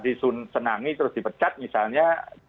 disenangi terus dipecat misalnya